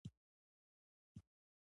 د سولې هره هڅه ګټوره پرېوتای شي.